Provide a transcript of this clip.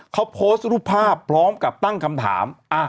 เขาโพสต์รูปภาพพร้อมกับตั้งคำถาม